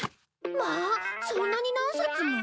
まあそんなに何冊も？